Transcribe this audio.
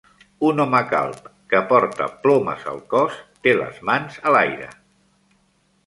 Un home calb, que porta plomes al cos, té les mans a l'aire.